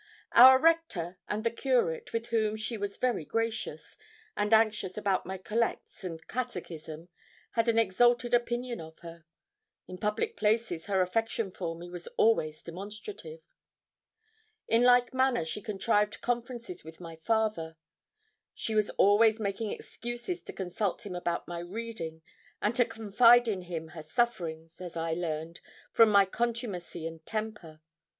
Our rector and the curate, with whom she was very gracious, and anxious about my collects and catechism, had an exalted opinion of her. In public places her affection for me was always demonstrative. In like manner she contrived conferences with my father. She was always making excuses to consult him about my reading, and to confide in him her sufferings, as I learned, from my contumacy and temper.